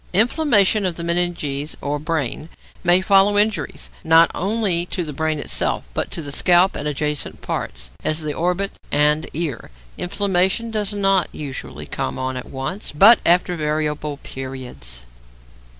Inflammation of the meninges or brain may follow injuries, not only to the brain itself, but to the scalp and adjacent parts, as the orbit and ear. Inflammation does not usually come on at once, but after variable periods.